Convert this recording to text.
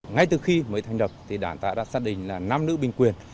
ngay từ khi mới thành đập thì đảng ta đã xác định là nam nữ bình quyền